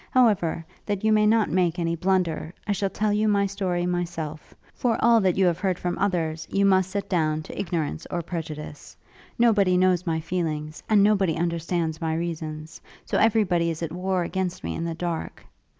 However, that you may not make any blunder, I shall tell you my story myself; for all that you have heard from others, you must set down to ignorance or prejudice. Nobody knows my feelings, and nobody understands my reasons. So everybody is at war against me in the dark.